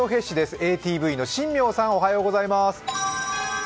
ＡＴＶの新名さん、おはようございます。